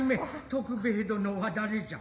徳兵衛殿は誰じゃ。